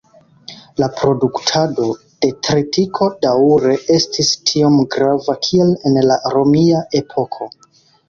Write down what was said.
La produktado de tritiko daŭre estis tiom grava kiel en la romia epoko.